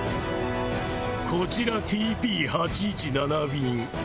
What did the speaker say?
こちらＴＰ８１７便。